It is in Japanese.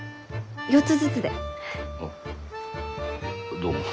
どうも。